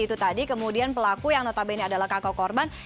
itu tadi kemudian pelaku yang notabene adalah kakak korban